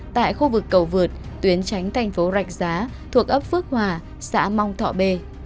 tại khu vực cầu vượt tuyến tránh thành phố rạch giá thuộc ấp phước hòa xã mong thọ b